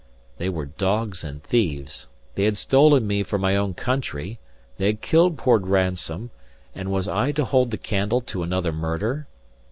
They were dogs and thieves; they had stolen me from my own country; they had killed poor Ransome; and was I to hold the candle to another murder?